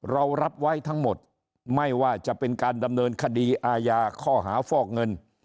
เรารับไว้ทั้งหมดไม่ว่าจะเป็นการดำเนินคดีอาญาข้อหาฟอกเงิน